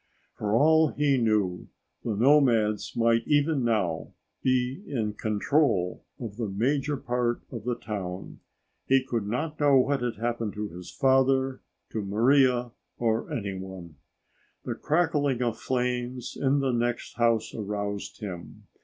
For all he knew, the nomads might even now be in control of the major part of the town. He could not know what had happened to his father, to Maria, to anyone. The crackling of flames in the next house aroused him.